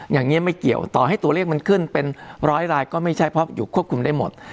อย่างนี้ไม่เกี่ยวต่อให้ตัวเลขมันขึ้นเป็นร้อยรายก็ไม่ใช่เพราะอยู่ควบคุมได้หมด